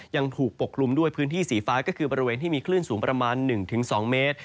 ยังถูกปกคลุมด้วยพื้นที่สีฟ้าก็คือบริเวณที่มีคลื่นสูงประมาณ๑๒เมตร